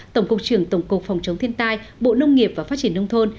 tổng cục trưởng tổng cục phòng chống thiên tai bộ nông nghiệp và phát triển nông thôn